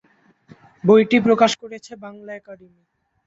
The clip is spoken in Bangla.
বইটি প্রকাশ করেছে বাংলা একাডেমি।